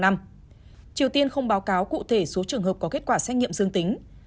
triều tiên không báo cáo cụ thể số trường hợp có kết quả xét nghiệm dương tính